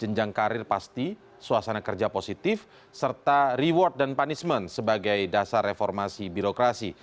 jenjang karir pasti suasana kerja positif serta reward dan punishment sebagai dasar reformasi birokrasi